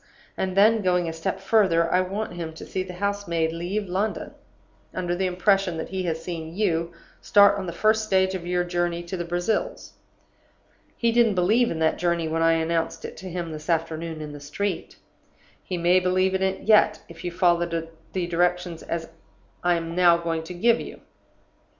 And then, going a step further, I want him to see the house maid leave London, under the impression that he has seen you start on the first stage of your journey to the Brazils. He didn't believe in that journey when I announced it to him this afternoon in the street. He may believe in it yet, if you follow the directions I am now going to give you.